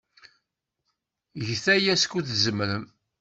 Get aya skud tzemrem.